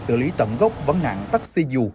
xử lý tận gốc vấn nạn taxi dù